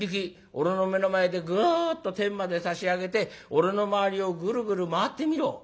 俺の目の前でグーッと天まで差し上げて俺の周りをグルグル回ってみろ」。